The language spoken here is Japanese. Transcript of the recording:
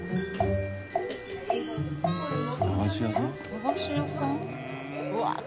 駄菓子屋さん？